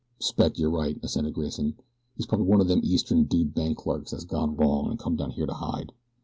"S'pect you're right," assented Grayson. "He's probably one o' them eastern dude bank clerks what's gone wrong and come down here to hide.